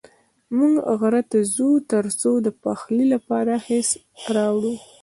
موږ غره ته ځو تر څو د پخلي لپاره خس راوړو.